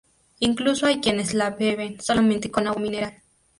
Incluso hay quienes la beben solamente con agua mineral.